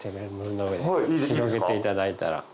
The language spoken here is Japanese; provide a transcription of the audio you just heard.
広げていただいたら。